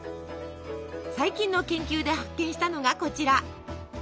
最近の研究で発見したのがこちら。